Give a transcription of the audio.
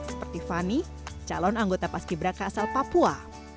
seperti fanny calon anggota paski braka asal papua